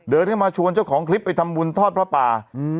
เดินเข้ามาชวนเจ้าของคลิปไปทำบุญทอดพระป่า